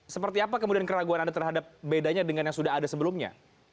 seperti apa kemudian keraguan anda terhadap bedanya dengan yang sudah ada sebelumnya